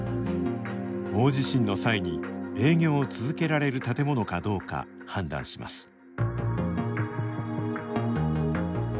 大地震の際に営業を続けられる建物かどうか、判断します。